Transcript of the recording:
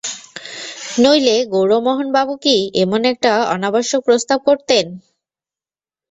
নইলে গৌরমোহনবাবু কি এমন একটা অনাবশ্যক প্রস্তাব করতেন?